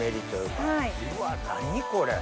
うわ何これ？